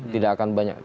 tidak akan banyak